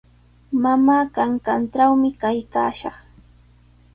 Mamaa kanqantrawmi kaykaashaq.